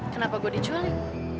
kenapa gue diculik